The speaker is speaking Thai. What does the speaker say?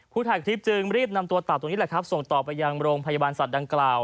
ถ่ายคลิปจึงรีบนำตัวเต่าตัวนี้แหละครับส่งต่อไปยังโรงพยาบาลสัตว์ดังกล่าว